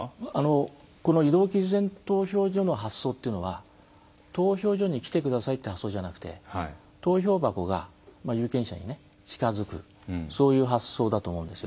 この移動期日前投票所の発想というのは投票所に来てくださいっていう発想じゃなくて投票箱が有権者に近づくそういう発想だと思うんですよ。